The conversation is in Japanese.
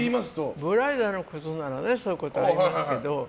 ブライダルのことならそういうことはありますけど。